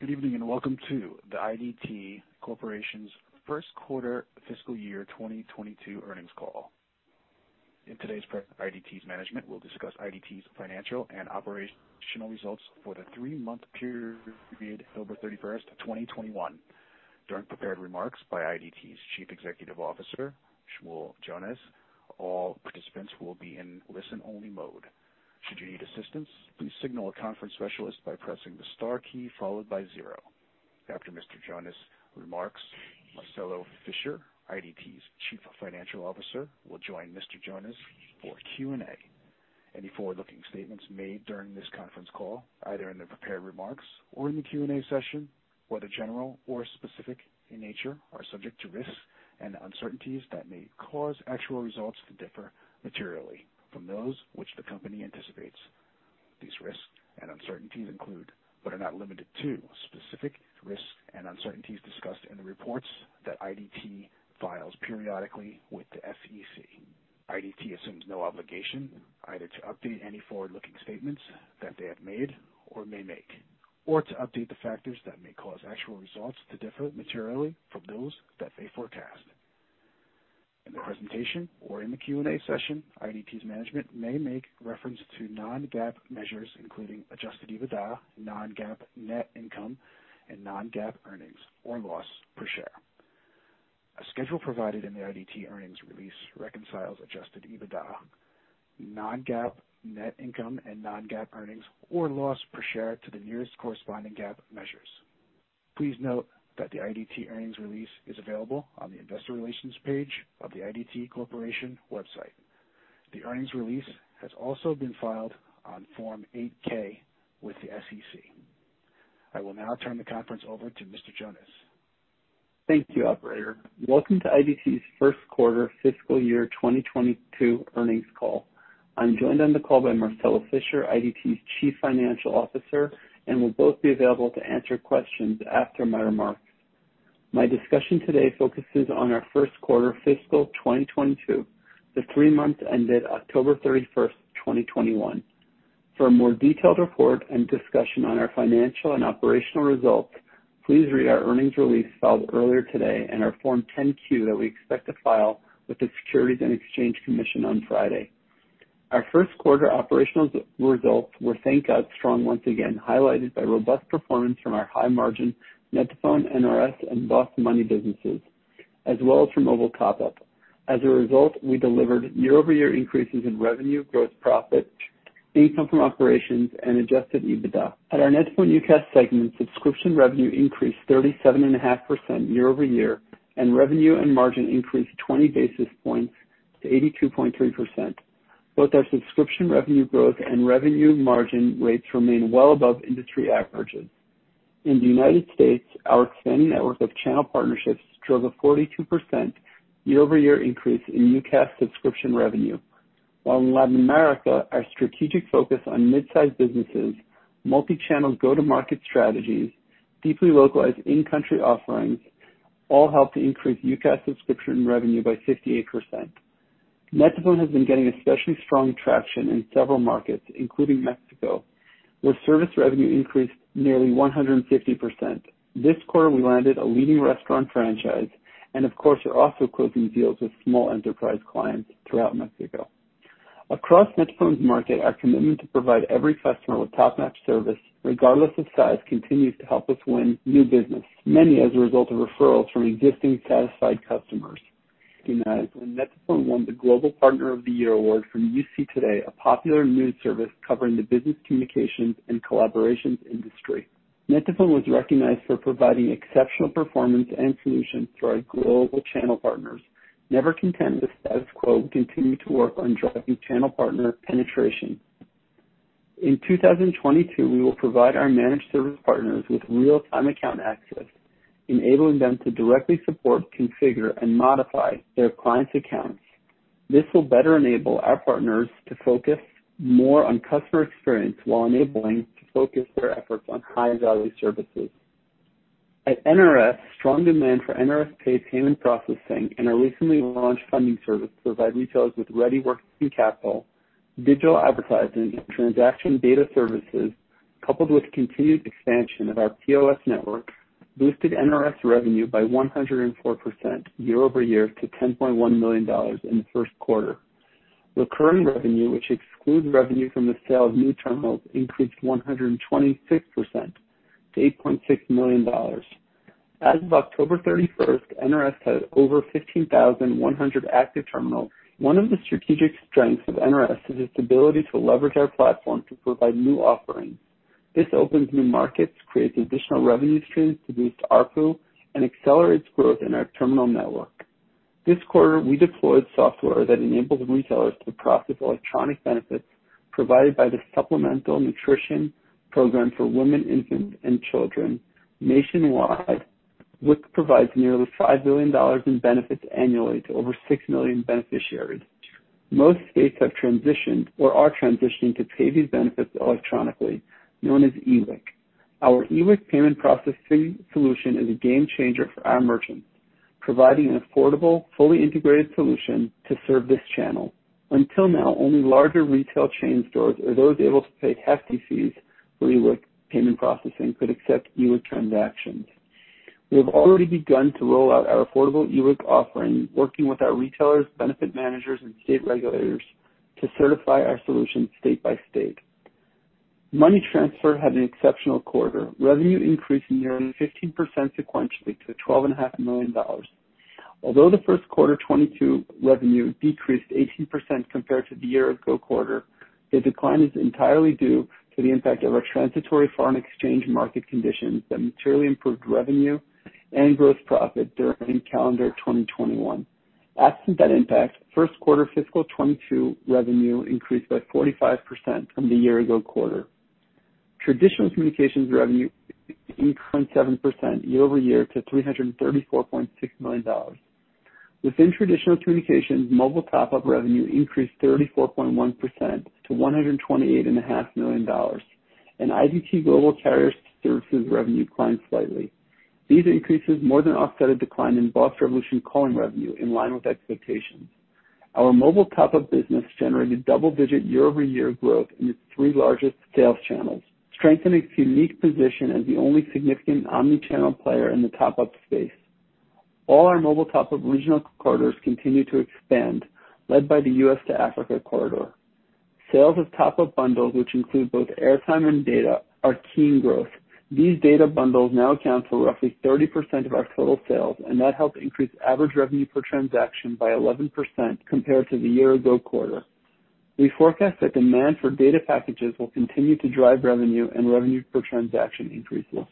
Good evening, and welcome to the IDT Corporation's Q1 Fiscal Year 2022 Earnings Call. In today's prep, IDT's management will discuss IDT's financial and operational results for the three-month period ended October 31st, 2021, during prepared remarks by IDT's Chief Executive Officer, Shmuel Jonas. All participants will be in listen-only mode. Should you need assistance, please signal a conference specialist by pressing the star key followed by zero. After Mr. Jonas' remarks, Marcelo Fischer, IDT's Chief Financial Officer, will join Mr. Jonas for Q&A. Any forward-looking statements made during this conference call, either in the prepared remarks or in the Q&A session, whether general or specific in nature, are subject to risks and uncertainties that may cause actual results to differ materially from those which the company anticipates. These risks and uncertainties include, but are not limited to, specific risks and uncertainties discussed in the reports that IDT files periodically with the SEC. IDT assumes no obligation either to update any forward-looking statements that they have made or may make, or to update the factors that may cause actual results to differ materially from those that they forecast. In the presentation or in the Q&A session, IDT's management may make reference to non-GAAP measures, including Adjusted EBITDA, non-GAAP net income, and non-GAAP earnings or loss per share. A schedule provided in the IDT earnings release reconciles Adjusted EBITDA, non-GAAP net income, and non-GAAP earnings or loss per share to the nearest corresponding GAAP measures. Please note that the IDT earnings release is available on the investor relations page of the IDT Corporation website. The earnings release has also been filed on Form 8-K with the SEC. I will now turn the conference over to Mr. Jonas. Thank you, operator. Welcome to IDT's Q1 Fiscal Year 2022 Earnings Call. I'm joined on the call by Marcelo Fischer, IDT's Chief Financial Officer, and we'll both be available to answer questions after my remarks. My discussion today focuses on our Q1 fiscal 2022, the three months ended October 31st, 2021. For a more detailed report and discussion on our financial and operational results, please read our earnings release filed earlier today and our Form 10-Q that we expect to file with the Securities and Exchange Commission on Friday. Our Q1 operational results were thank God strong once again, highlighted by robust performance from our high-margin net2phone, NRS, and BOSS Money businesses, as well as from Mobile Top-Up. As a result, we delivered year-over-year increases in revenue, gross profit, income from operations, and Adjusted EBITDA. At our net2phone UCaaS segment, subscription revenue increased 37.5% year-over-year, and revenue and margin increased 20 basis points to 82.3%. Both our subscription revenue growth and revenue margin rates remain well above industry averages. In the United States, our expanding network of channel partnerships drove a 42% year-over-year increase in UCaaS subscription revenue, while in Latin America, our strategic focus on mid-sized businesses, multi-channel go-to-market strategies, deeply localized in-country offerings all helped to increase UCaaS subscription revenue by 58%. Net2phone has been getting especially strong traction in several markets, including Mexico, where service revenue increased nearly 150%. This quarter, we landed a leading restaurant franchise and, of course, are also closing deals with small enterprise clients throughout Mexico. Across net2phone's market, our commitment to provide every customer with top-notch service, regardless of size, continues to help us win new business, many as a result of referrals from existing satisfied customers. Net2phone won the Global Partner of the Year award from UC Today, a popular news service covering the business communications and collaboration industry. Net2phone was recognized for providing exceptional performance and solutions to our global channel partners. We, never content with status quo, continue to work on driving channel partner penetration. In 2022, we will provide our managed service partners with real-time account access, enabling them to directly support, configure, and modify their clients' accounts. This will better enable our partners to focus more on customer experience while enabling us to focus our efforts on high-value services. At NRS, strong demand for NRS Pay payment processing and our recently launched funding service provide retailers with ready working capital, digital advertising, and transaction data services, coupled with continued expansion of our POS network, boosted NRS revenue by 104% year-over-year to $10.1 million in the Q1. Recurring revenue, which excludes revenue from the sale of new terminals, increased 126% to $8.6 million. As of October 31st, NRS has over 15,100 active terminals. One of the strategic strengths of NRS is its ability to leverage our platform to provide new offerings. This opens new markets, creates additional revenue streams to boost ARPU, and accelerates growth in our terminal network. This quarter, we deployed software that enables retailers to process electronic benefits provided by the Special Supplemental Nutrition Program for Women, Infants, and Children nationwide, which provides nearly $5 billion in benefits annually to over six million beneficiaries. Most states have transitioned or are transitioning to pay these benefits electronically, known as eWIC. Our eWIC payment processing solution is a game changer for our merchants, providing an affordable, fully integrated solution to serve this channel. Until now, only larger retail chain stores or those able to pay hefty fees for eWIC payment processing could accept eWIC transactions. We have already begun to roll out our affordable eWIC offering, working with our retailers, benefit managers and state regulators to certify our solution state by state. Money transfer had an exceptional quarter, revenue increasing nearly 15% sequentially to $12.5 million. Although the Q1 2022 revenue decreased 18% compared to the year-ago quarter, the decline is entirely due to the impact of our transitory foreign exchange market conditions that materially improved revenue and gross profit during calendar 2021. Absent that impact, Q1 fiscal 2022 revenue increased by 45% from the year-ago quarter. Traditional communications revenue increased 7% year-over-year to $334.6 million. Within traditional communications, Mobile Top-Up revenue increased 34.1% to $128.5 million, and IDT Global carrier services revenue climbed slightly. These increases more than offset a decline in BOSS Revolution calling revenue in line with expectations. Our Mobile Top-Up business generated double-digit year-over-year growth in its three largest sales channels, strengthening its unique position as the only significant omni-channel player in the Top-Up space. All our Mobile Top-Up regional corridors continue to expand, led by the U.S. to Africa corridor. Sales of Top-Up bundles, which include both airtime and data, are key in growth. These data bundles now account for roughly 30% of our total sales, and that helped increase average revenue per transaction by 11% compared to the year-ago quarter. We forecast that demand for data packages will continue to drive revenue and revenue per transaction increases.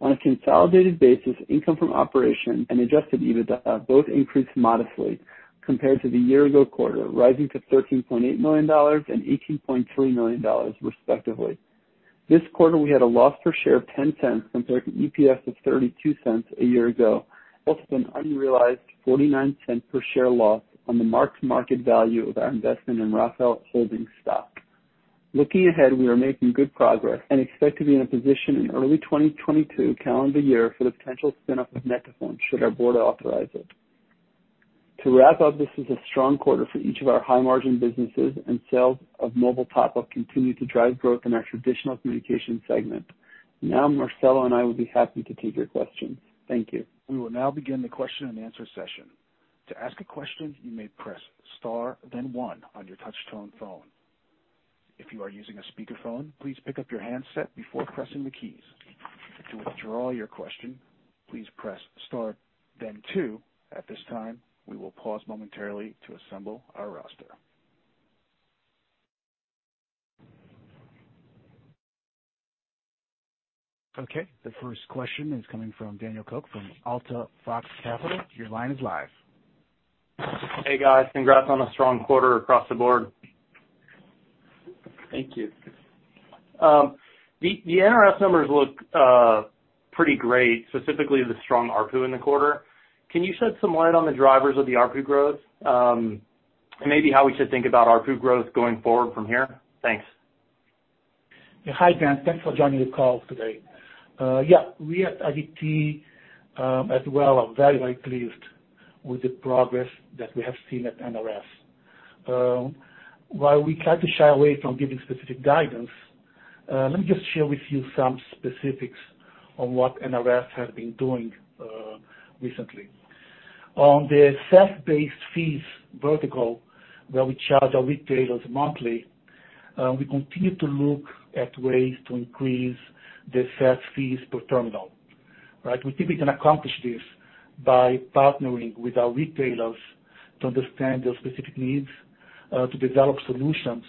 On a consolidated basis, income from operations and Adjusted EBITDA both increased modestly compared to the year-ago quarter, rising to $13.8 million and $18.3 million, respectively. This quarter, we had a loss per share of $0.10 compared to EPS of $0.32 a year ago, also an unrealized $0.49 per share loss on the mark-to-market value of our investment in Rafael Holdings stock. Looking ahead, we are making good progress and expect to be in a position in early 2022 for the potential spin-off of net2phone, should our board authorize it. To wrap up, this is a strong quarter for each of our high-margin businesses and sales of Mobile Top-Up continue to drive growth in our traditional communications segment. Now Marcelo and I will be happy to take your questions. Thank you. We will now begin the question and answer session. To ask a question, you may press star, then one on your touchtone phone. If you are using a speakerphone, please pick up your handset before pressing the keys. To withdraw your question, please press star then two. At this time, we will pause momentarily to assemble our roster. Okay, the first question is coming from Daniel Koch from Alta Fox Capital. Your line is live. Hey, guys. Congrats on a strong quarter across the board. Thank you. The NRS numbers look pretty great, specifically the strong ARPU in the quarter. Can you shed some light on the drivers of the ARPU growth? Maybe how we should think about ARPU growth going forward from here? Thanks. Hi, Dan. Thanks for joining the call today. We at IDT as well are very, very pleased with the progress that we have seen at NRS. While we try to shy away from giving specific guidance, let me just share with you some specifics on what NRS has been doing recently. On the SaaS-based fees vertical, where we charge our retailers monthly, we continue to look at ways to increase the SaaS fees per terminal, right? We think we can accomplish this by partnering with our retailers to understand their specific needs, to develop solutions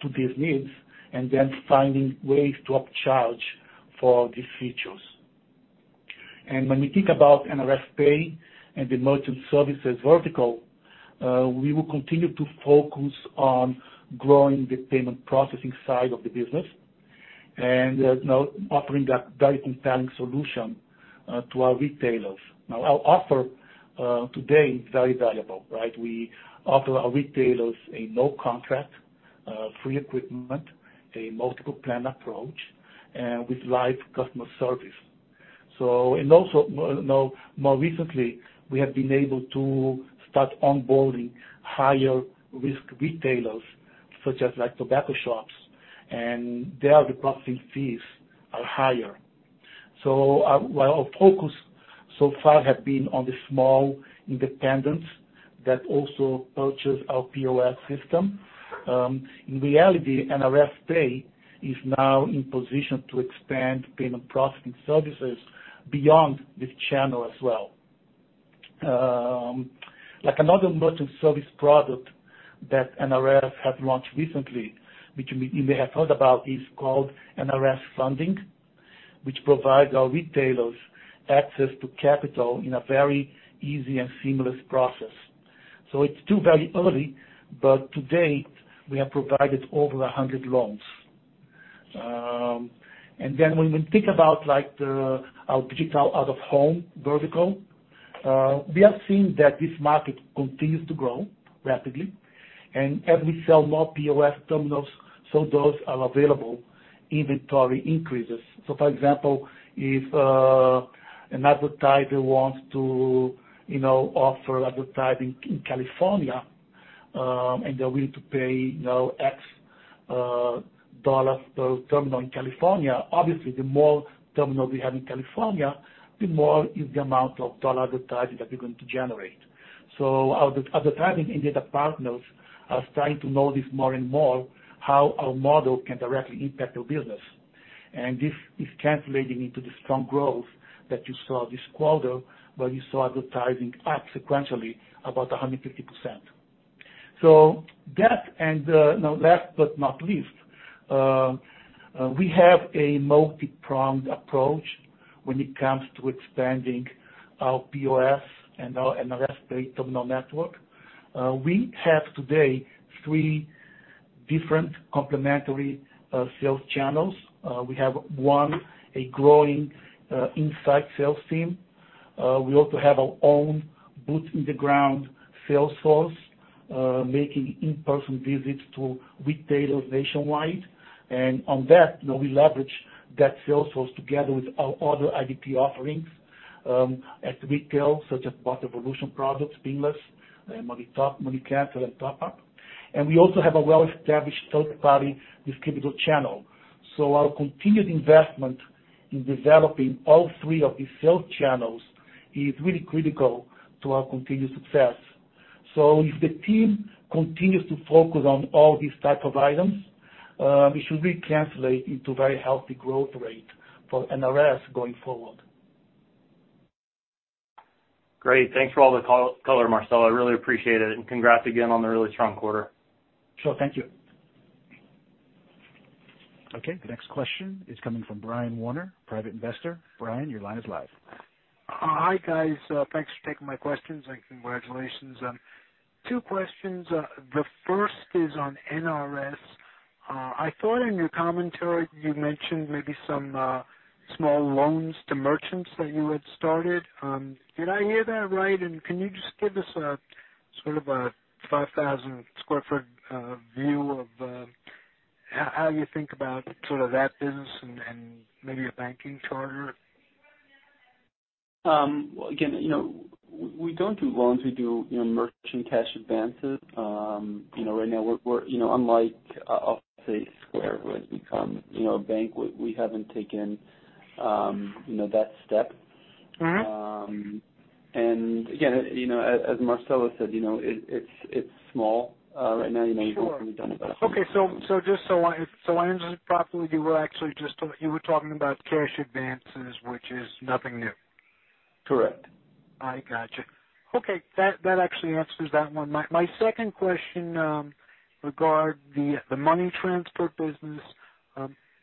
to these needs, and then finding ways to upcharge for these features. When we think about NRS Pay and the merchant services vertical, we will continue to focus on growing the payment processing side of the business and, now offering a very compelling solution, to our retailers. Now, our offer, today is very valuable, right? We offer our retailers a no contract, free equipment, a multiple plan approach, with live customer service. And also, now more recently, we have been able to start onboarding higher risk retailers, such as like tobacco shops, and there the processing fees are higher. While our focus so far has been on the small independents that also purchase our POS system, in reality, NRS Pay is now in position to expand payment processing services beyond this channel as well. Like another merchant service product that NRS has launched recently, which you may have heard about, is called NRS Funding, which provides our retailers access to capital in a very easy and seamless process. It's still very early, but to date, we have provided over 100 loans. When we think about, like, the, our digital out-of-home vertical, we have seen that this market continues to grow rapidly. As we sell more POS terminals, so those are available. Inventory increases. For example, if an advertiser wants to, you know, offer advertising in California, and they're willing to pay, you know, $X per terminal in California, obviously the more terminals we have in California, the more is the amount of dollar advertising that we're going to generate. Our advertising and data partners are trying to know this more and more, how our model can directly impact their business. This is translating into the strong growth that you saw this quarter, where you saw advertising up sequentially about 150%. That and we have a multi-pronged approach when it comes to expanding our POS and our NRS terminal network. We have today three different complementary sales channels. We have one, a growing inside sales team. We also have our own boots on the ground sales force, making in-person visits to retailers nationwide. On that, you know, we leverage that sales force together with our other IDT offerings at retail, such as BOSS Revolution products, Pinless, Money Transfer, BOSS Money, and Top Up. We also have a well-established third-party distribution channel. Our continued investment in developing all three of these sales channels is really critical to our continued success. If the team continues to focus on all these type of items, it should really translate into very healthy growth rate for NRS going forward. Great. Thanks for all the color, Marcelo. I really appreciate it, and congrats again on the really strong quarter. Sure. Thank you. Okay. The next question is coming from Brian Warner, Private investor. Brian, your line is live. Hi, guys. Thanks for taking my questions, and congratulations. Two questions. The first is on NRS. I thought in your commentary you mentioned maybe some small loans to merchants that you had started. Did I hear that right? Can you just give us a sort of a 50,000 sq ft view of how you think about sort of that business and maybe a banking charter? Well, again, you know, we don't do loans. We do, you know, merchant cash advances. You know, unlike, I'll say Square, who has become, you know, a bank, we haven't taken, you know, that step. Uh-huh. Again, you know, as Marcelo said, you know, it's small right now. You know. Sure. You know, we've only done about. Okay. Just so I understand properly, you were actually just talking about cash advances, which is nothing new? Correct. I gotcha. Okay. That actually answers that one. My second question regarding the money transfer business.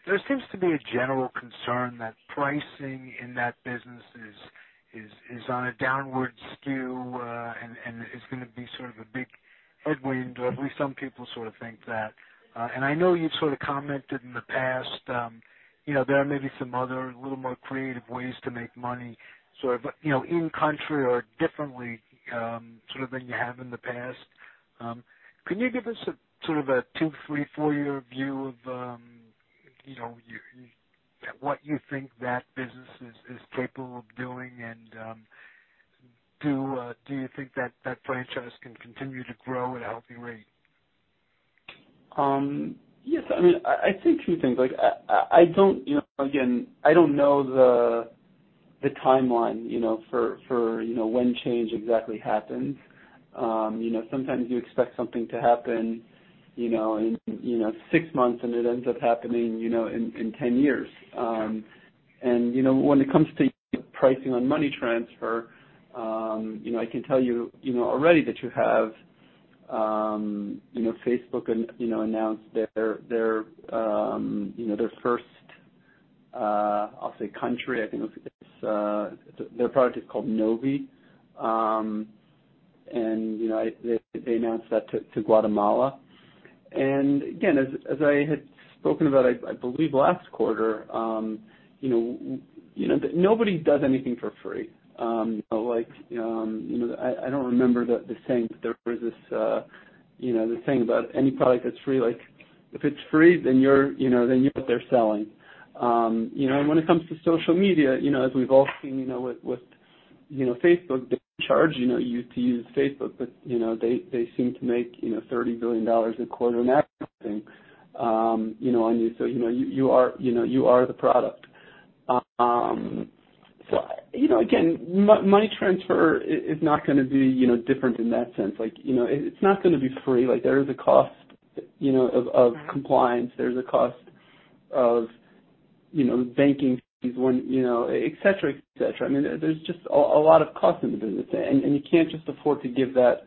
There seems to be a general concern that pricing in that business is on a downward skew, and is gonna be sort of a big headwind, or at least some people sort of think that. I know you've sort of commented in the past, you know, there are maybe some other little more creative ways to make money sort of, you know, in country or differently, sort of than you have in the past. Can you give us a sort of a two, three, four-year view of, you know, what you think that business is capable of doing? Do you think that franchise can continue to grow at a healthy rate? Yes. I mean, I see two things. Like I don't, you know. Again, I don't know the timeline, you know, for you know, when change exactly happens. You know, sometimes you expect something to happen, you know, in six months, and it ends up happening, you know, in 10 years. You know, when it comes to pricing on money transfer, you know, I can tell you know, already that you have, you know, Facebook and, you know, announce their first, I'll say, country. I think it's their product is called Novi. You know, they announced that to Guatemala. Again, as I had spoken about, I believe last quarter, you know, nobody does anything for free. Like, you know, I don't remember the saying, but there was this, you know, this saying about any product that's free, like if it's free, then you're, you know, then you know what they're selling. You know, when it comes to social media, you know, as we've all seen, you know, with Facebook, they charge you to use Facebook, but you know, they seem to make $30 billion a quarter on advertising. You know, you are the product. You know, again, money transfer is not gonna be different in that sense. Like, you know, it's not gonna be free. Like there is a cost, you know, of compliance. There's a cost of, you know, banking fees when, you know, et cetera, et cetera. I mean, there's just a lot of costs in the business. You can't just afford to give that,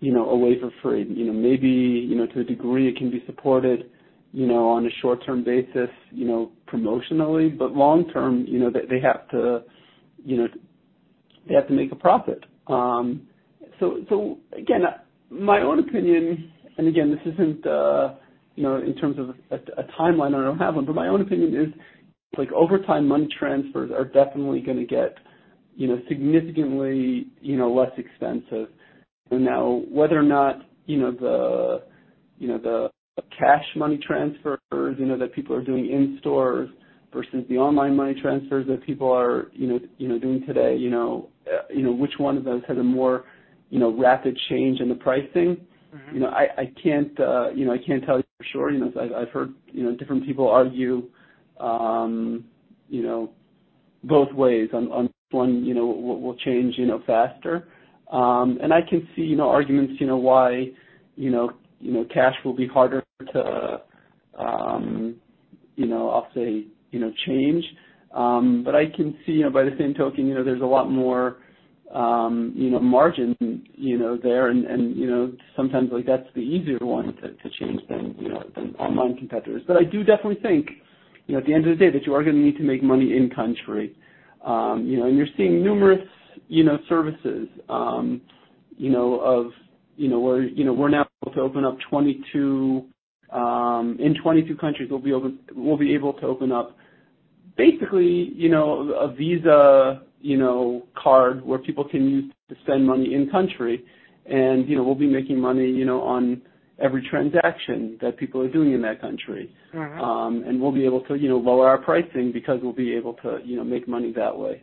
you know, away for free. You know, maybe, you know, to a degree it can be supported, you know, on a short-term basis, you know, promotionally, but long term, you know, they have to make a profit. So again, my own opinion, and again, this isn't, you know, in terms of a timeline, I don't have one, but my own opinion is like over time, money transfers are definitely gonna get you know, significantly, you know, less expensive. Now, whether or not, you know, the, you know, the cash money transfers, you know, that people are doing in stores versus the online money transfers that people are, you know, you know, doing today, you know, which one of those has a more, you know, rapid change in the pricing? Mm-hmm. You know, I can't tell you for sure. You know, I've heard you know different people argue both ways on which one will change faster. I can see you know arguments you know why you know cash will be harder to you know I'll say you know change. I can see you know by the same token you know there's a lot more you know margin you know there and you know sometimes like that's the easier one to change than online competitors. I do definitely think you know at the end of the day that you are gonna need to make money in country. You know, you're seeing numerous, you know, services, you know, of, you know, where, you know, we're now able to open up 22. In 22 countries, we'll be able to open up basically, you know, a Visa, you know, card where people can use to spend money in country. you know, we'll be making money, you know, on every transaction that people are doing in that country. Mm-hmm. We'll be able to, you know, lower our pricing because we'll be able to, you know, make money that way.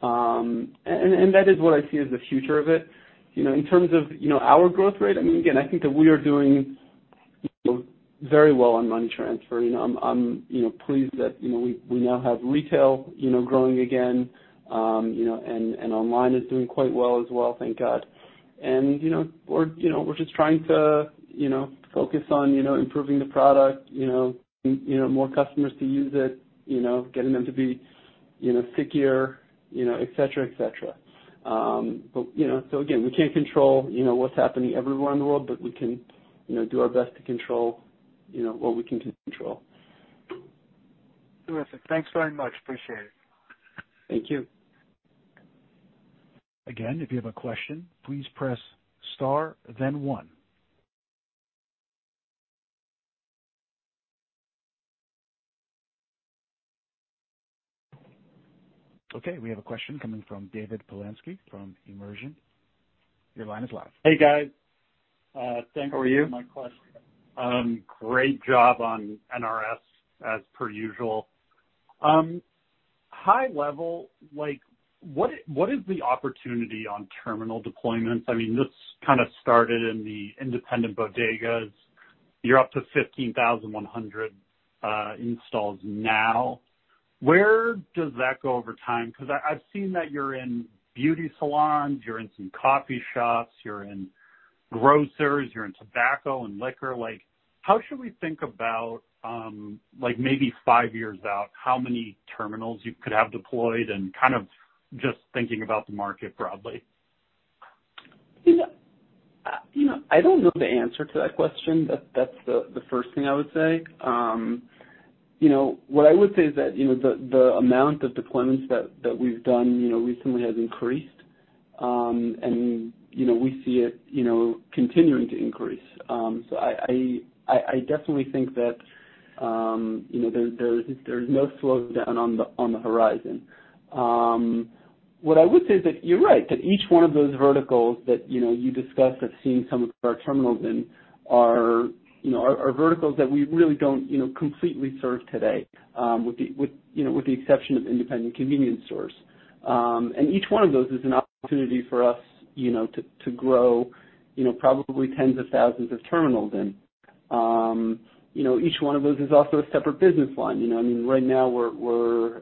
That is what I see as the future of it. You know, in terms of, you know, our growth rate, I mean, again, I think that we are doing, you know, very well on money transfer. You know, I'm, you know, pleased that, you know, we now have retail, you know, growing again. You know, and online is doing quite well as well, thank God. You know, we're just trying to, you know, focus on, you know, improving the product, you know, more customers to use it, you know, getting them to be, you know, stickier, you know, et cetera. You know, again, we can't control, you know, what's happening everywhere in the world, but we can, you know, do our best to control, you know, what we can control. Terrific. Thanks very much. Appreciate it. Thank you. Again, if you have a question, please press star then one. Okay, we have a question coming from David Polansky from Immersion. Your line is live. Hey, guys. Thanks for- How are you? Thank you for taking my question. Great job on NRS as per usual. High level, like, what is the opportunity on terminal deployments? I mean, this kind of started in the independent bodegas. You're up to 15,100 installs now. Where does that go over time? 'Cause I've seen that you're in beauty salons. You're in some coffee shops. You're in grocers. You're in tobacco and liquor. Like, how should we think about, like maybe five years out, how many terminals you could have deployed and kind of just thinking about the market broadly? You know, I don't know the answer to that question. That's the first thing I would say. You know, what I would say is that the amount of deployments that we've done recently has increased. You know, we see it continuing to increase. I definitely think that there's no slowdown on the horizon. What I would say is that you're right, that each one of those verticals that you discussed have seen some of our terminals in are verticals that we really don't completely serve today, with the exception of independent convenience stores. Each one of those is an opportunity for us, you know, to grow, you know, probably tens of thousands of terminals in. Each one of those is also a separate business line. You know, I mean, right now we're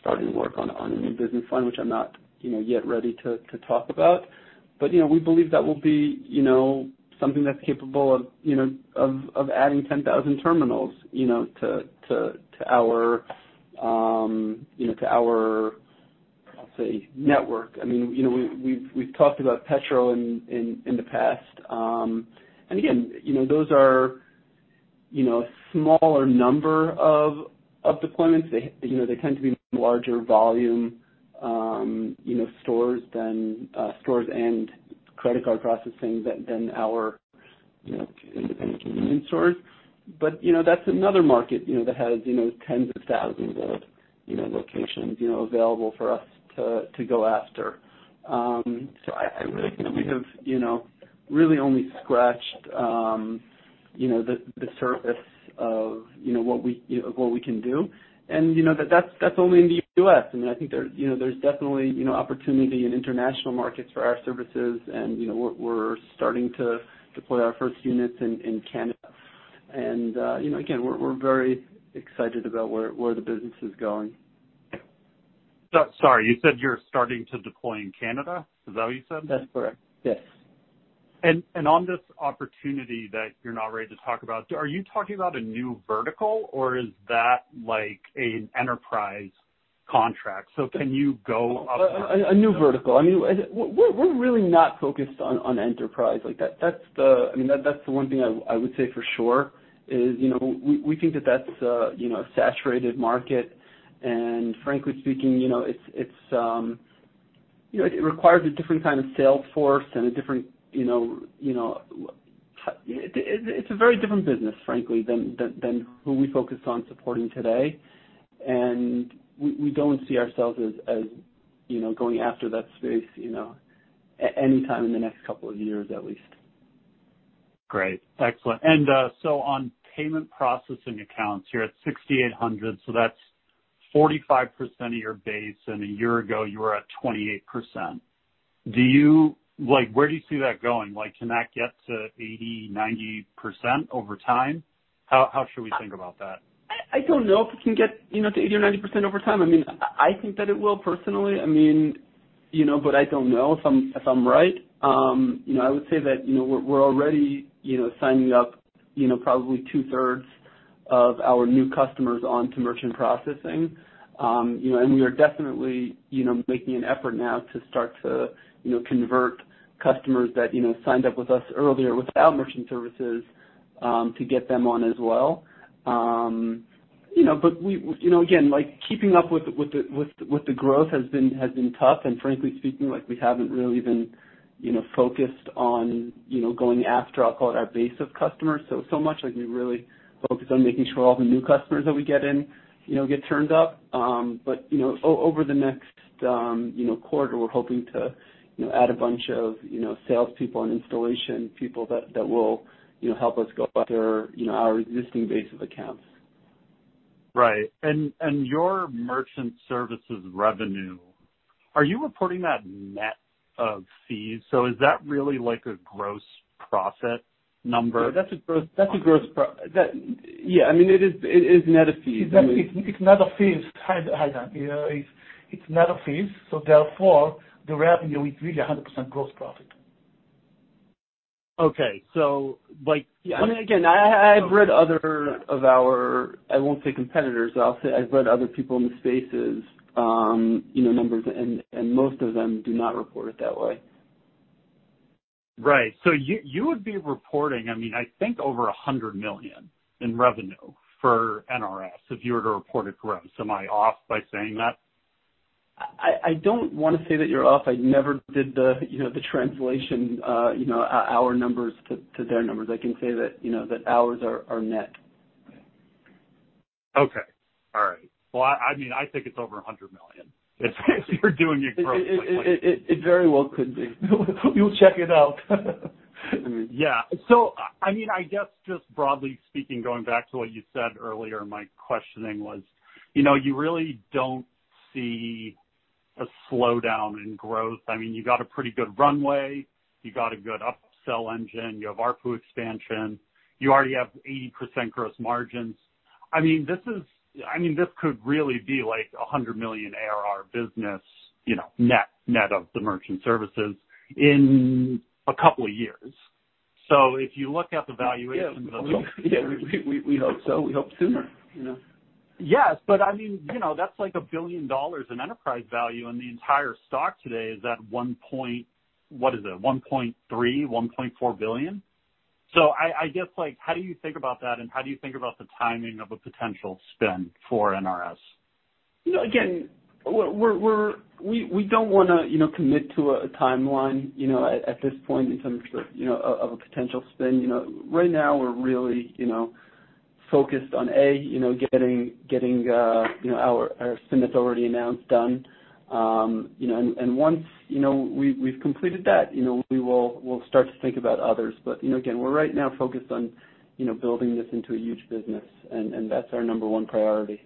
starting work on a new business line, which I'm not yet ready to talk about. We believe that will be something that's capable of adding 10,000 terminals, you know, to our, I'll say, network. I mean, you know, we've talked about petrol in the past. Again, those are smaller number of deployments. They, you know, they tend to be larger volume, you know, stores than stores and credit card processing than our, you know, independent convenience stores. You know, that's another market, you know, that has, you know, tens of thousands of, you know, locations, you know, available for us to go after. I really think we have, you know, really only scratched, you know, the surface of, you know, what we, you know, what we can do. You know, that's only in the U.S. I mean, I think there's, you know, definitely, you know, opportunity in International markets for our services and, you know, we're starting to deploy our first units in Canada. You know, again, we're very excited about where the business is going. Sorry, you said you're starting to deploy in Canada. Is that what you said? That's correct. Yes. On this opportunity that you're not ready to talk about, are you talking about a new vertical or is that like an enterprise contract? Can you go up- A new vertical. I mean, we're really not focused on enterprise like that. That's the one thing I would say for sure is, you know, we think that that's a saturatged market and frankly speaking, you know, it requires a different kind of sales force and a different, you know, it's a very different business, frankly, than who we focus on supporting today. We don't see ourselves as, you know, going after that space, you know, anytime in the next couple of years, at least. Great. Excellent. On payment processing accounts, you're at 6,800, so that's 45% of your base, and a year ago, you were at 28%. Like, where do you see that going? Like, can that get to 80%, 90% over time? How should we think about that? I don't know if it can get, you know, to 80% or 90% over time. I mean, I think that it will personally. I mean, you know, but I don't know if I'm right. You know, I would say that, you know, we're already, you know, signing up, you know, probably two-thirds of our new customers onto merchant processing. You know, and we are definitely, you know, making an effort now to start to, you know, convert customers that, you know, signed up with us earlier without merchant services to get them on as well. You know, but, again, like, keeping up with the growth has been tough. Frankly speaking, like, we haven't really been, you know, focused on, you know, going after, I'll call it our base of customers so much like we really focus on making sure all the new customers that we get in, you know, get turned up. You know, over the next, you know, quarter, we're hoping to, you know, add a bunch of, you know, sales people and installation people that will, you know, help us go after, you know, our existing base of accounts. Right. Your merchant services revenue, are you reporting that net of fees? Is that really like a gross process number? Yeah, I mean, it is net of fees. It's net of fees, David. You know, it's net of fees, so therefore, the revenue is really 100% gross profit. Okay. Again, I've read others of our, I won't say competitors, but I'll say I've read other people in the spaces, you know, numbers, and most of them do not report it that way. Right. You would be reporting, I mean, I think over $100 million in revenue for NRS if you were to report it gross. Am I off by saying that? I don't wanna say that you're off. I never did the, you know, the translation, you know, our numbers to their numbers. I can say that, you know, that ours are net. Well, I mean, I think it's over $100 million if you're doing it gross. It very well could be. We'll check it out. Yeah. I mean, I guess just broadly speaking, going back to what you said earlier, my questioning was, you know, you really don't see a slowdown in growth. I mean, you got a pretty good runway. You got a good upsell engine. You have ARPU expansion. You already have 80% gross margins. I mean, this is, I mean, this could really be like a $100 million ARR business, you know, net of the merchant services in a couple of years. If you look at the valuation- Yeah. We hope so. We hope sooner, you know. Yes, but I mean, you know, that's like $1 billion in enterprise value, and the entire stock today is at $1.3-$1.4 billion. I guess, like, how do you think about that, and how do you think about the timing of a potential spin for NRS? You know, again, we don't wanna, you know, commit to a timeline, you know, at this point in terms of a potential spin, you know. Right now we're really, you know, focused on a, you know, getting our spin that's already announced, done. You know, and once, you know, we've completed that, you know, we'll start to think about others. You know, again, we're right now focused on, you know, building this into a huge business and that's our number one priority.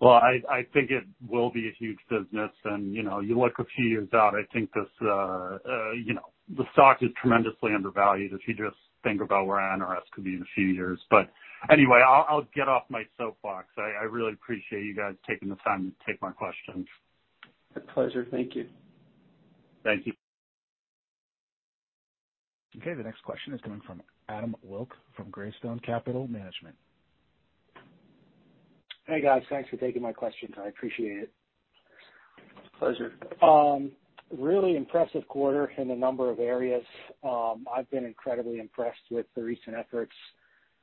Well, I think it will be a huge business. You know, you look a few years out, I think this, you know, the stock is tremendously undervalued if you just think about where NRS could be in a few years. Anyway, I'll get off my soapbox. I really appreciate you guys taking the time to take my questions. A pleasure. Thank you. Thank you. Okay. The next question is coming from Adam Wilk from Greystone Capital Management. Hey, guys. Thanks for taking my questions. I appreciate it. Pleasure. Really impressive quarter in a number of areas. I've been incredibly impressed with the recent efforts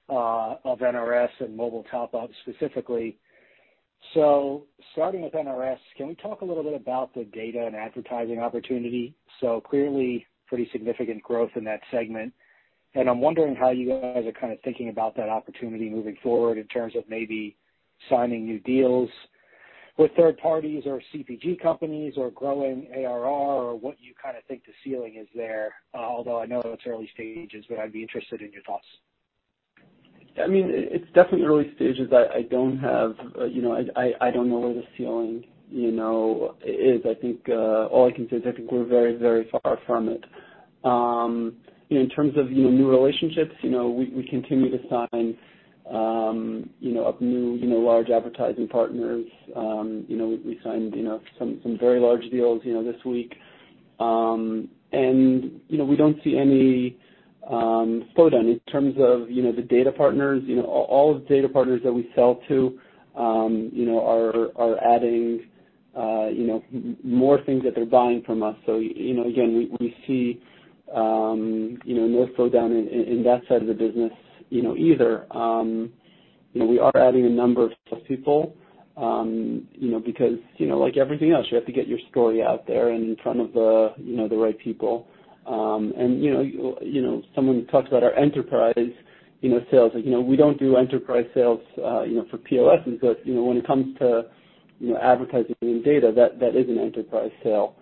of NRS and Mobile Top-Up specifically. Starting with NRS, can we talk a little bit about the data and advertising opportunity? Clearly pretty significant growth in that segment, and I'm wondering how you guys are kind of thinking about that opportunity moving forward in terms of maybe signing new deals with third parties or CPG companies or growing ARR or what you kind of think the ceiling is there, although I know it's early stages, but I'd be interested in your thoughts. I mean, it's definitely early stages. I don't have, you know, I don't know where the ceiling, you know, is. I think all I can say is I think we're very far from it. You know, in terms of, you know, new relationships, you know, we continue to sign you know up new, you know, large advertising partners. You know, we signed, you know, some very large deals, you know, this week. You know, we don't see any slowdown in terms of, you know, the data partners. You know, all the data partners that we sell to, you know, are adding, you know, more things that they're buying from us. You know, again, we see no slowdown in that side of the business, you know, either. You know, we are adding a number of people, you know, because, you know, like everything else, you have to get your story out there in front of the, you know, the right people. You know, someone talked about our enterprise sales. You know, we don't do enterprise sales, you know, for POS, but, you know, when it comes to, you know, advertising and data, that is an enterprise sale.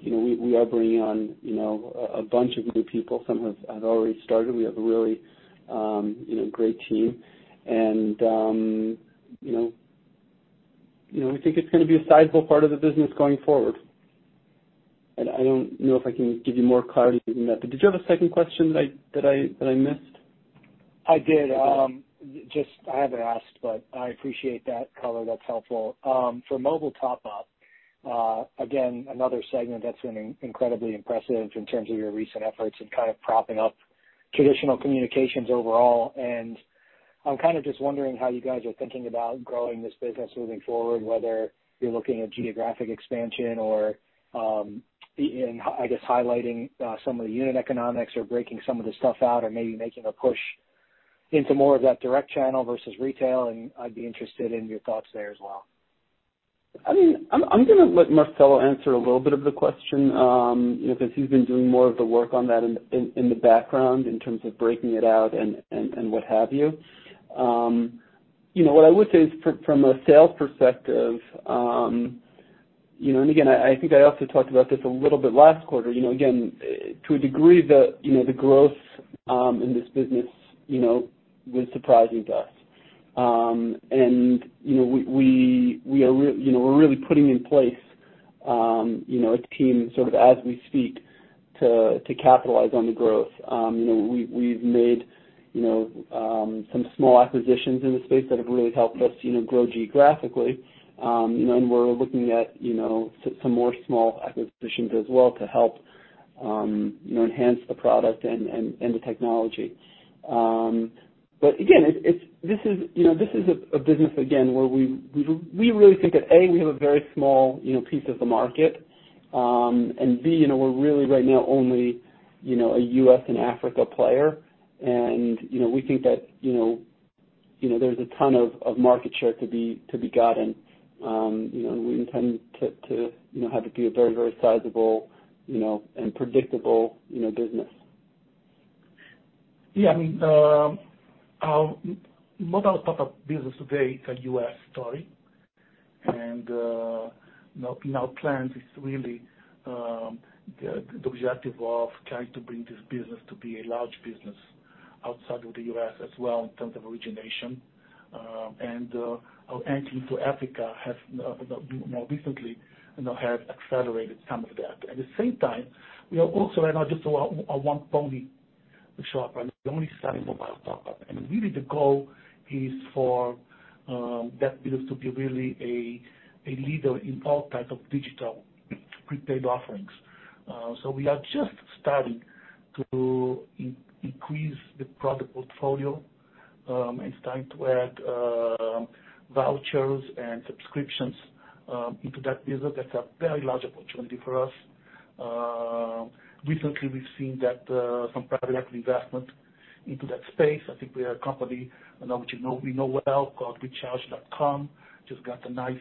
You know, we are bringing on, you know, a bunch of new people. Some have already started. We have a really, you know, great team. You know, we think it's gonna be a sizable part of the business going forward. I don't know if I can give you more clarity than that. Did you have a second question that I missed? I did. Just I haven't asked, but I appreciate that color. That's helpful. For Mobile Top-Up, again, another segment that's been incredibly impressive in terms of your recent efforts in kind of propping up traditional communications overall. I'm kinda just wondering how you guys are thinking about growing this business moving forward, whether you're looking at geographic expansion or, in, I guess, highlighting some of the unit economics or breaking some of the stuff out or maybe making a push into more of that direct channel versus retail, and I'd be interested in your thoughts there as well. I mean, I'm gonna let Marcelo answer a little bit of the question, you know, 'cause he's been doing more of the work on that in the background in terms of breaking it out and what have you. You know, what I would say is from a sales perspective, you know, and again, I think I also talked about this a little bit last quarter. You know, again, to a degree the growth in this business, you know, was surprising to us. You know, we are really putting in place a team sort of as we speak to capitalize on the growth. You know, we've made you know some small acquisitions in the space that have really helped us you know grow geographically. You know, we're looking at you know some more small acquisitions as well to help you know enhance the product and the technology. Again, this is a business again where we really think that, A, we have a very small you know piece of the market, and B, you know, we're really right now only you know a U.S. and Africa player. You know, we think that you know there's a ton of market share to be gotten. You know, we intend to you know have it be a very sizable you know and predictable you know business. Yeah. I mean, our Mobile Top-Up business today is a U.S. story. In our plans is really the objective of trying to bring this business to be a large business outside of the U.S. as well in terms of origination. Our entry into Africa has more recently, you know, accelerated some of that. At the same time, we are also right now just a one-pony shop, right? We're only selling Mobile Top-Up. Really the goal is for that business to be really a leader in all types of digital prepaid offerings. We are just starting to increase the product portfolio and starting to add vouchers and subscriptions into that business. That's a very large opportunity for us. Recently we've seen that some private equity investment into that space. I think we know a company which, you know, we know well called Recharge.com, just got a nice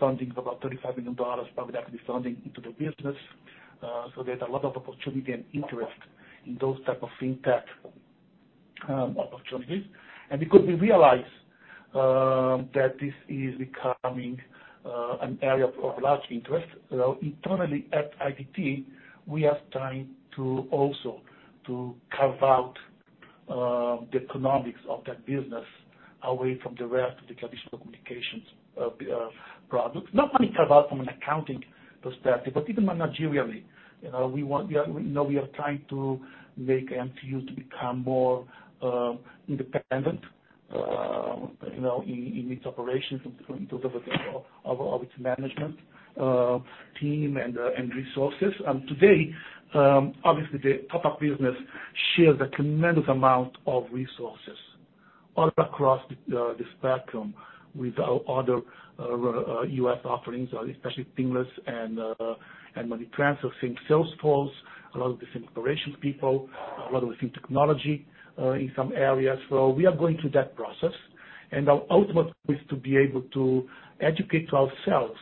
funding of about $35 million. Probably that could be funding into the business. There's a lot of opportunity and interest in those type of fintech opportunities. Because we realize that this is becoming an area of large interest internally at IDT, we are starting to carve out the economics of that business away from the rest of the traditional communications products. Not only carve out from an accounting perspective, but even managerially. You know, we want. We are trying to make MTU become more independent, you know, in its operations in terms of its management team and resources. Today, obviously the top-up business shares a tremendous amount of resources all across the spectrum with our other U.S. offerings, especially Pinless and Money Transfer, same sales force, a lot of the same operations people, a lot of the same technology in some areas. We are going through that process. Our ultimate is to be able to educate ourselves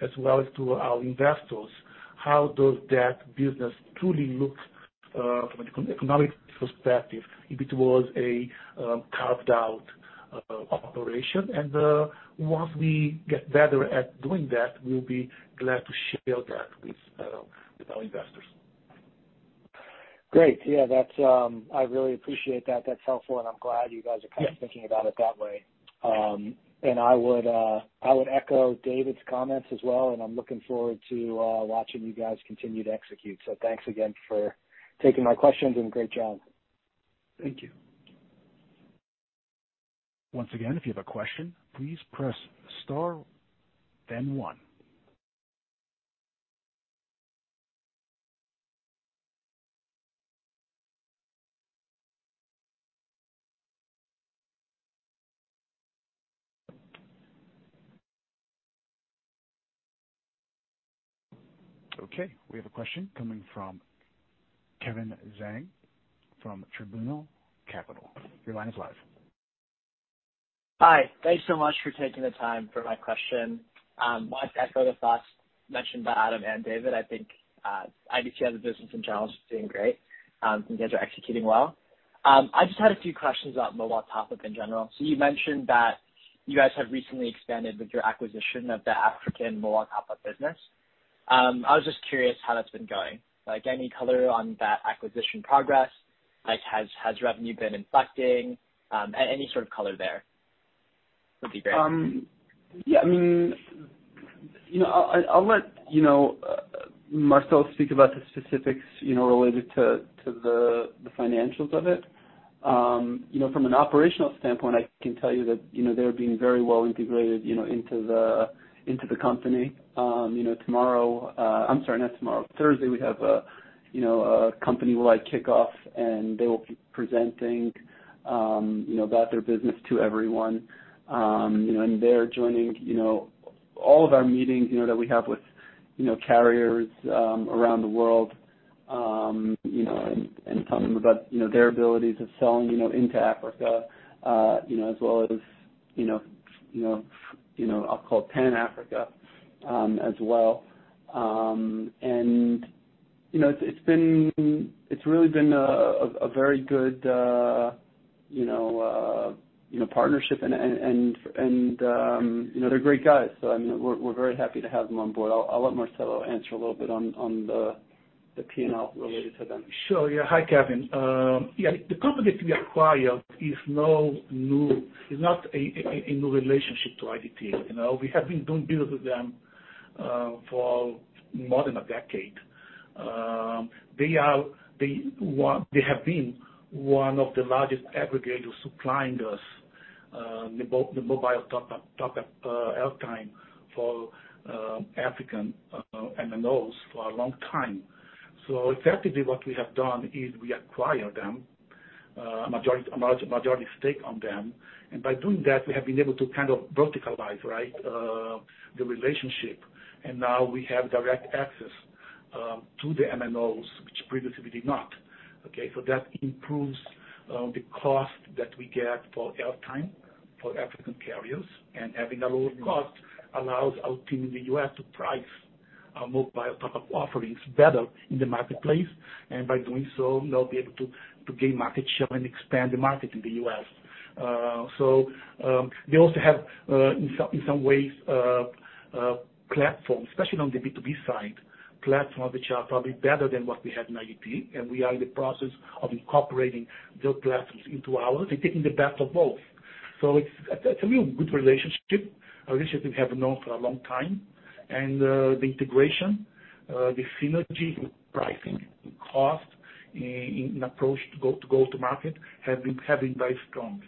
as well as to our investors how does that business truly looks from an economic perspective if it was a carved-out operation. Once we get better at doing that, we'll be glad to share that with our investors. Great. Yeah. That's. I really appreciate that. That's helpful, and I'm glad you guys are kind of thinking about it that way. I would echo David's comments as well, and I'm looking forward to watching you guys continue to execute. Thanks again for taking my questions, and great job. Thank you. Once again, if you have a question, please press star then one. Okay. We have a question coming from Calvin Cheung, a Private Investor. Your line is live. Hi. Thanks so much for taking the time for my question. Want to echo the thoughts mentioned by Adam and David. I think, IDT as a business in general is doing great, and you guys are executing well. I just had a few questions about Mobile Top-Up in general. You mentioned that you guys have recently expanded with your acquisition of the African Mobile Top-Up business. I was just curious how that's been going. Like, any color on that acquisition progress, like has revenue been inflecting, any sort of color there would be great. Yeah, I mean, you know, I'll let Marcelo speak about the specifics, you know, related to the financials of it. You know, from an operational standpoint, I can tell you that, you know, they're being very well integrated, you know, into the company. You know, Thursday, we have a company-wide kickoff, and they will be presenting, you know, about their business to everyone. You know, and they're joining, you know, all of our meetings, you know, that we have with carriers, you know, around the world, you know, and telling them about, you know, their abilities of selling, you know, into Africa, you know, as well as, you know, I'll call it Pan Africa, as well. You know, it's really been a very good partnership and you know, they're great guys. So, I mean, we're very happy to have them on board. I'll let Marcelo answer a little bit on the P&L related to them. Sure. Yeah. Hi, Kevin. The company that we acquired is not new. It's not a new relationship to IDT. You know, we have been doing business with them for more than a decade. They have been one of the largest aggregators supplying us the Mobile Top-Up airtime for African MNOs for a long time. Effectively what we have done is we acquired them a large majority stake on them. By doing that, we have been able to kind of verticalize, right, the relationship. Now we have direct access to the MNOs, which previously we did not. Okay. That improves the cost that we get for airtime for African carriers. Having a lower cost allows our team in the U.S. to price our Mobile Top-Up offerings better in the marketplace, and by doing so, they'll be able to gain market share and expand the market in the U.S. They also have, in some ways, platforms, especially on the B2B side, platforms which are probably better than what we had in IDT, and we are in the process of incorporating their platforms into ours and taking the best of both. It's a real good relationship, a relationship we have known for a long time. The integration, the synergy with pricing and cost in approach to go-to-market have been very strong.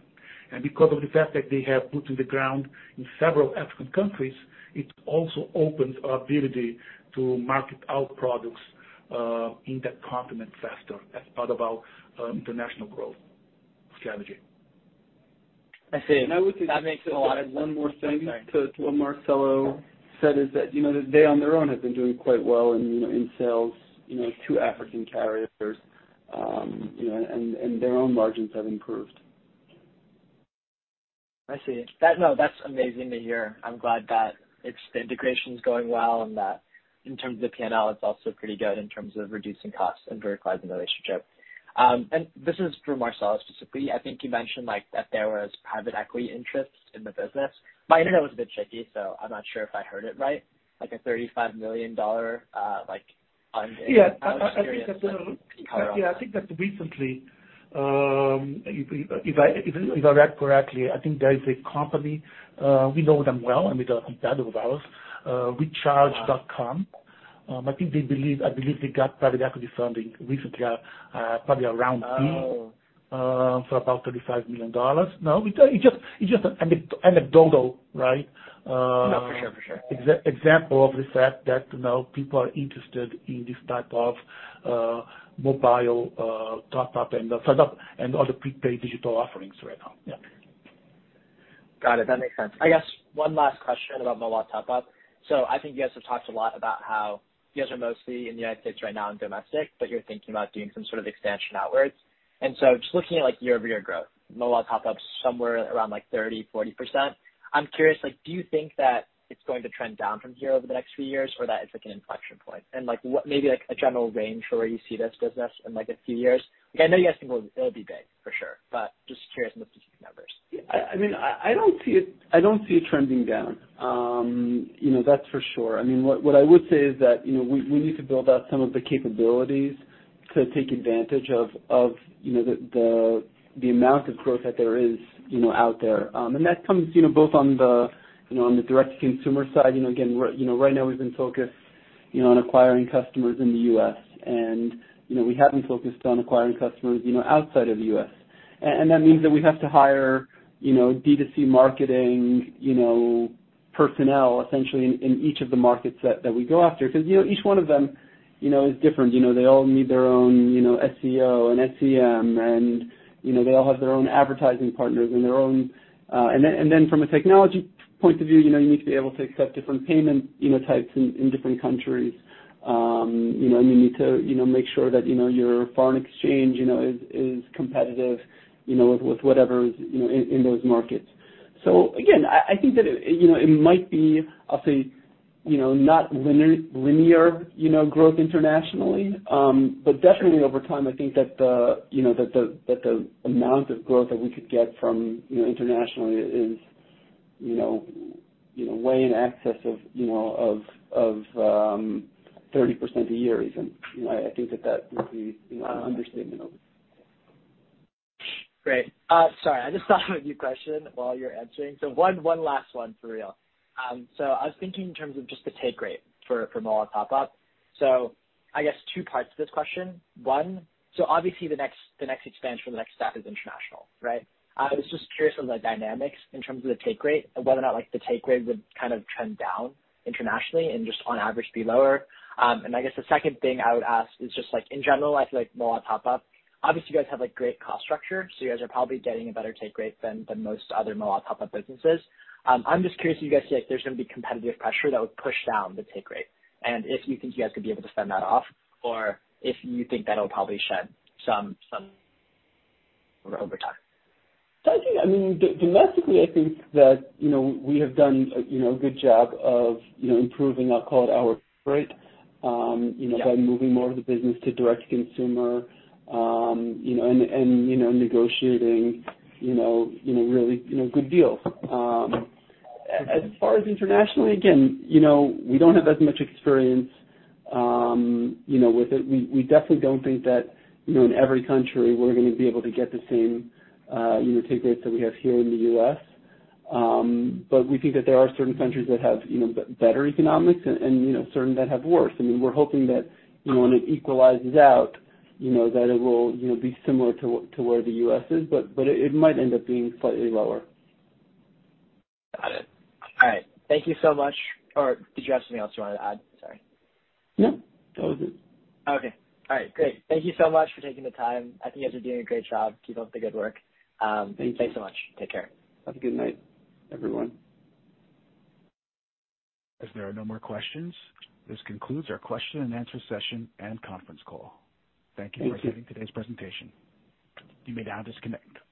Because of the fact that they have boots on the ground in several African countries, it also opens our ability to market our products in that continent faster as part of our International growth strategy. I see. I would say. That makes a lot of sense. To add one more thing to what Marcelo said is that, you know, they on their own have been doing quite well in sales, you know, to African carriers, you know, and their own margins have improved. I see. No, that's amazing to hear. I'm glad that it's the integration's going well and that in terms of P&L, it's also pretty good in terms of reducing costs and verticalizing the relationship. This is for Marcelo specifically. I think you mentioned like that there was private equity interest in the business. My internet was a bit shaky, so I'm not sure if I heard it right. Like a $35 million, like on- Yeah. I was curious. I think that, yeah, I think that recently, if I read correctly, I think there is a company we know them well, and they're a competitor of ours, Recharge.com. I think they believe, I believe they got private equity funding recently, probably a round B, for about $35 million. No, it's just an anecdotal, right? No, for sure, for sure. Example of the fact that, you know, people are interested in this type of Mobile Top-Up and so that and other prepaid digital offerings right now. Yeah. Got it. That makes sense. I guess one last question about Mobile Top-Up. I think you guys have talked a lot about how you guys are mostly in the United States right now and domestic, but you're thinking about doing some sort of expansion outwards. Just looking at like year-over-year growth, Mobile Top-Up's somewhere around like 30%-40%. I'm curious, like, do you think that it's going to trend down from here over the next few years, or that is like an inflection point? Like, what maybe like a general range for where you see this business in like a few years? I know you guys think it'll be big for sure, but just curious on the specific numbers. Yeah. I mean, I don't see it trending down. You know, that's for sure. I mean, what I would say is that, you know, we need to build out some of the capabilities to take advantage of, you know, the amount of growth that there is, you know, out there. And that comes, you know, both on the, you know, on the direct-to-consumer side. You know, again, we're, you know, right now we've been focused, you know, on acquiring customers in the U.S., and, you know, we haven't focused on acquiring customers, you know, outside of the U.S. And that means that we have to hire, you know, D2C marketing, you know, personnel essentially in each of the markets that we go after. 'Cause, you know, each one of them. You know, it's different. You know, they all need their own, you know, SEO and SEM, and, you know, they all have their own advertising partners and their own. From a technology point of view, you know, you need to be able to accept different payment, you know, types in different countries. You know, you need to make sure that, you know, your foreign exchange, you know, is competitive, you know, with whatever is, you know, in those markets. I think that it might be, I'll say, you know, linear growth internationally. Definitely over time, I think that the amount of growth that we could get from you know internationally is you know way in excess of you know of 30% a year even. You know, I think that would be you know an understatement of it. Great. Sorry. I just thought of a new question while you're answering. One last one for real. I was thinking in terms of just the take rate for Mobile Top-Up. I guess two parts to this question. One, obviously the next expansion, the next step is International, right? I was just curious on the dynamics in terms of the take rate and whether or not, like, the take rate would kind of trend down internationally and just on average be lower. I guess the second thing I would ask is just like in general, I feel like Mobile Top-Up, obviously, you guys have a great cost structure, so you guys are probably getting a better take rate than most other Mobile Top-Up businesses. I'm just curious if you guys feel like there's gonna be competitive pressure that would push down the take rate. If you think you guys would be able to fend that off or if you think that'll probably shed some over time. I mean, domestically, I think that, you know, we have done, you know, a good job of, you know, improving. I'll call it our rate, you know, by moving more of the business to direct-to-consumer, you know, and, you know, negotiating, you know, really, you know, good deals. As far as internationally, again, you know, we don't have as much experience, you know, with it. We definitely don't think that, you know, in every country we're gonna be able to get the same, you know, take rates that we have here in the U.S. We think that there are certain countries that have, you know, better economics and, you know, certain that have worse. I mean, we're hoping that, you know, when it equalizes out, you know, that it will, you know, be similar to where the U.S. is, but it might end up being slightly lower. Got it. All right. Thank you so much. Or did you have something else you wanted to add? Sorry. No, that was it. Okay. All right. Great. Thank you so much for taking the time. I think you guys are doing a great job. Keep up the good work. Thank you. Thanks so much. Take care. Have a good night, everyone. As there are no more questions, this concludes our question and answer session and conference call. Thank you for- Thank you. -attending today's presentation. You may now disconnect.